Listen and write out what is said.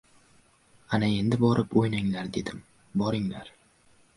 — Ana endi, borib o‘ynanglar! — dedim. — Boringlar!